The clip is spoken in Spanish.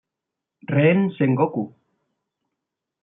Ren Sengoku